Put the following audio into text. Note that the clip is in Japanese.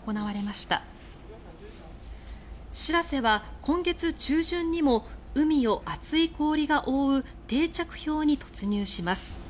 「しらせ」は今月中旬にも海を厚い氷が覆う定着氷に突入します。